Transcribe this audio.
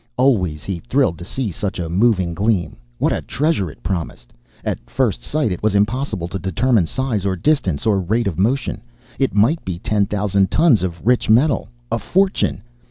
Always he thrilled to see such a moving gleam. What treasure it promised! At first sight, it was impossible to determine size or distance or rate of motion. It might be ten thousand tons of rich metal. A fortune!